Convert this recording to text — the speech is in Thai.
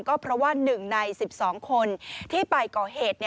ก็เพราะว่า๑ใน๑๒คนที่ไปก่อเหตุ